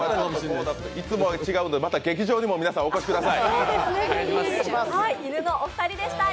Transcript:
いつもは違うのでまた劇場にもまたお越しください。